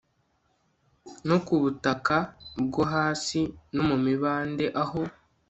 no ku butaka bwo hasi no mu mibande aho